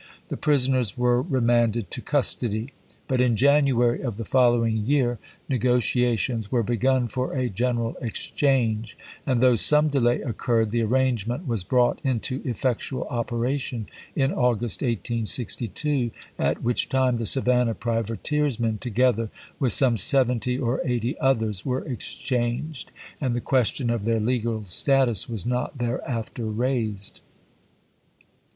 The prisoners etc! ' were remanded to custody ; but in January of the 1862. following year negotiations were begun for a gen eral exchange, and though some delay occurred, the arrangement was brought into effectual opera cycKj^ tion in August, 1862, at which time the Savannah pp. 712 714. privateersmen, together with some seventy or eighty others, were exchanged; and the question of their legal status was not thereafter raised.